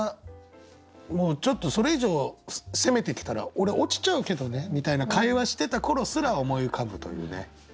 「ちょっとそれ以上攻めてきたら俺落ちちゃうけどね」みたいな会話してた頃すら思い浮かぶというね。